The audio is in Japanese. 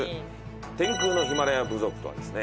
天空のヒマラヤ部族とはですね